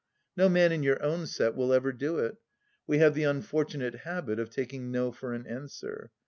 No man in your own set will ever do it. We have the unfortunate habit of taking No for an answer.